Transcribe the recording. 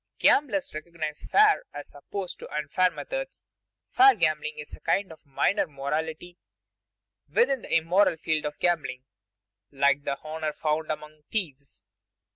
Gamblers recognize fair as opposed to unfair methods. Fair gambling is a kind of minor morality within the immoral field of gambling, like the honor found among thieves.